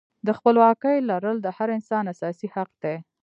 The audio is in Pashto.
د خپلواکۍ لرل د هر انسان اساسي حق دی.